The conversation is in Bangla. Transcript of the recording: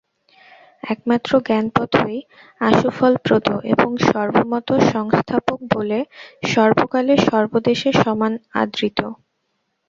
একমাত্র জ্ঞানপথই আশুফলপ্রদ এবং সর্বমত-সংস্থাপক বলে সর্বকালে সর্বদেশে সমান আদৃত।